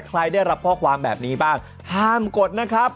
ได้รับข้อความแบบนี้บ้างห้ามกดนะครับ